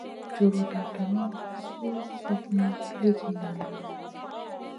Juruda dono suh slokŋa ligi ŋali.